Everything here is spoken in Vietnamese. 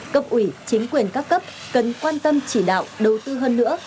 cấp ủy chính quyền các cấp cần quan tâm chỉ đạo đầu tư hơn nữa